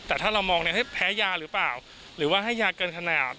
แต่ถ้าเรามองเนี่ยแพ้ยาหรือเปล่าหรือว่าให้ยาเกินขนาด